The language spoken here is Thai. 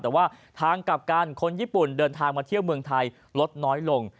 แต่ว่าทางกลับกันคนญี่ปุ่นเดินทางมาเที่ยวเมืองไทยลดน้อยลง